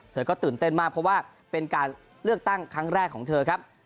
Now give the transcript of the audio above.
เธอก็ตื่นเต้นมากเพราะว่าเป็นการเลือกตั้งครั้งแรกของเธอครับ